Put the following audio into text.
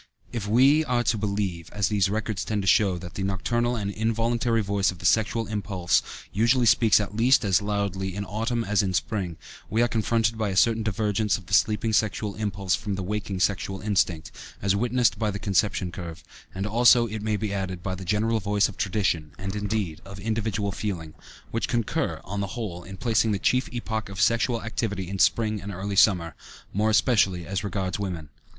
If we are to believe, as these records tend to show, that the nocturnal and involuntary voice of the sexual impulse usually speaks at least as loudly in autumn as in spring, we are confronted by a certain divergence of the sleeping sexual impulse from the waking sexual instinct, as witnessed by the conception curve, and also, it may be added, by the general voice of tradition, and, indeed, of individual feeling, which concur, on the whole, in placing the chief epoch of sexual activity in spring and early summer, more especially as regards women.